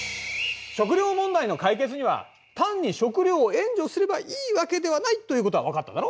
食料問題の解決には単に食料を援助すればいいわけではないってことは分かっただろ？